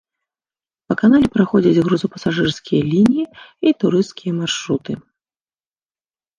Па канале праходзіць грузапасажырскія лініі і турысцкія маршруты.